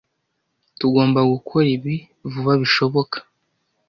Tugomba gukora ibi vuba bishoboka.